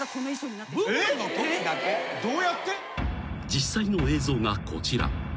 ［実際の映像がこちら］